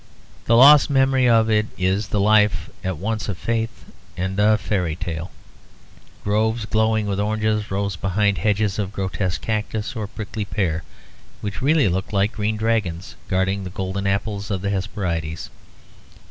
The lost memory of it is the life at once of faith and of fairy tale. Groves glowing with oranges rose behind hedges of grotesque cactus or prickly pear; which really looked like green dragons guarding the golden apples of the Hesperides.